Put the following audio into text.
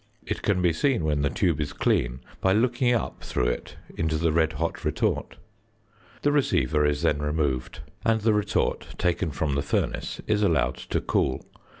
It can be seen when the tube is clean by looking up through it into the red hot retort. The receiver is then removed, and the retort, taken from the furnace, is allowed to cool.